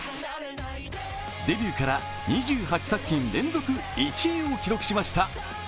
デビューから２８作品連続１位を記録しました。